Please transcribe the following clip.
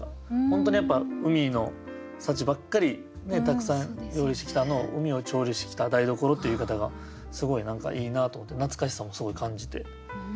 本当にやっぱ海の幸ばっかりたくさん料理してきたのを「海を調理してきた台所」っていう言い方がすごいいいなと思って懐かしさもすごい感じて。